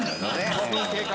５分経過。